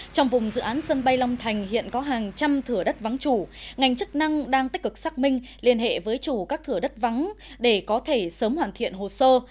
trong vùng dự án sân bay long thành hiện có hàng trăm thửa đất vắng chủ ngành chức năng đang tích cực xác minh liên hệ với chủ các thửa đất vắng để có thể sớm hoàn thiện hồ sơ